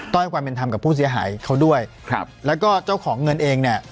ให้ความเป็นธรรมกับผู้เสียหายเขาด้วยครับแล้วก็เจ้าของเงินเองเนี่ย